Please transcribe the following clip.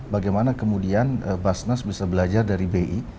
bagaimana kemudian basnas bisa belajar dari bi